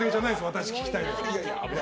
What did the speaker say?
私が聞きたいのは。